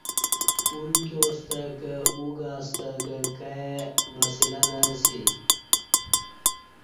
اُلکِیاستہ کہ او گاستہ کہ کائ وسیلہ نہ اسی